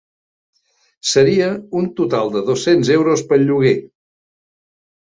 Seria un total de dos-cents euros pel lloguer.